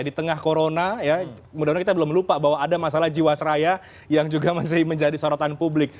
di tengah corona ya mudah mudahan kita belum lupa bahwa ada masalah jiwasraya yang juga masih menjadi sorotan publik